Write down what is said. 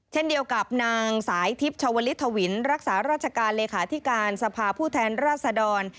เช่นเดียวกับนางสายทิพย์ชาวลิทธวินรักษาราชการเลขาธิการสภาผู้แทนราษดร